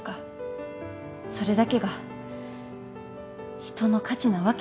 それだけが人の価値なわけないです。